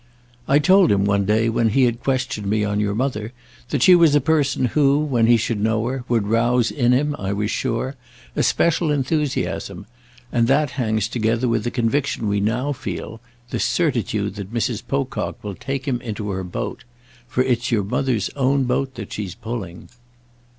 "I told him, one day, when he had questioned me on your mother, that she was a person who, when he should know her, would rouse in him, I was sure, a special enthusiasm; and that hangs together with the conviction we now feel—this certitude that Mrs. Pocock will take him into her boat. For it's your mother's own boat that she's pulling."